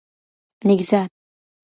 نېکزاد